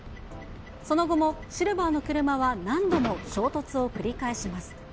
その後もシルバーの車は何度も衝突を繰り返します。